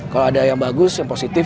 kalau ada yang bagus yang positif